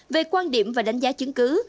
về quan điểm và đánh giá chứng cứ